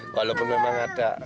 walaupun memang ada